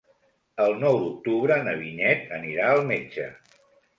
El nou d'octubre na Vinyet anirà al metge.